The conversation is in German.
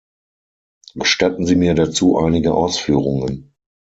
Gestatten Sie mir dazu einige Ausführungen.